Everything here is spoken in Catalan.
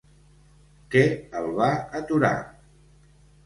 Què el va aturar?